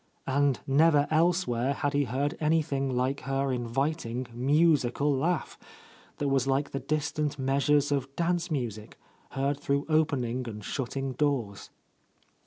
And never elsewhere had he heard anything like her inviting, musical laugh, that was __4i_ A host Lady like the distant measures of dance music, heard through opening and shutting doors.